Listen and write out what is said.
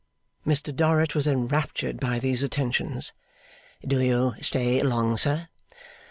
Mr Dorrit was enraptured by these attentions. 'Do you stay long, sir?